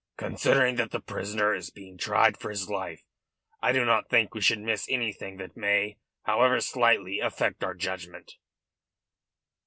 "Considering that the prisoner is being tried for his life, I do not think we should miss anything that may, however slightly, affect our judgment."